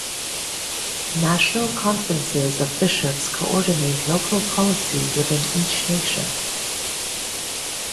National Conferences of bishops co-ordinate local policy within each nation.